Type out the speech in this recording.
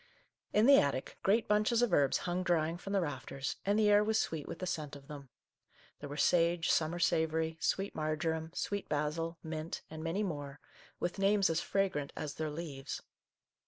In the attic, 112 Our Little Canadian Cousin great bunches of herbs hung drying from the rafters, and the air was sweet with the scent of them. There were sage, summer savoury, sweet marjoram, sweet basil, mint, and many more, with names as fragrant as their leaves.